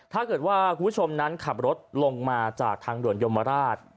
ถ้าเกิดว่าคุณผู้ชมนั้นขับรถลงมาจากทางด่วนยมราช